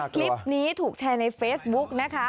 คลิปนี้ถูกแชร์ในเฟซบุ๊กนะคะ